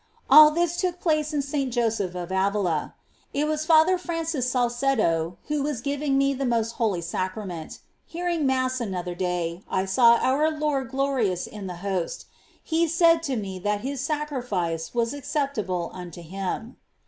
All this took place in S. Joseph of Avila. It was Father Francis Salcedo who was giving me the most Holy Sacrament. Hearing Mass another day, I saw our Lord glorious in the Host ; He said to me that his sacrifice was acceptable unto Him.